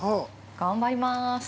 ◆頑張ります。